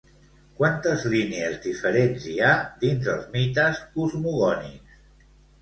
Quantes línies diferents hi ha dins els mites cosmogònics?